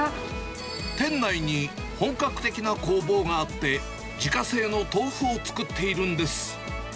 店内に本格的な工房があって、自家製の豆腐を作っているんです。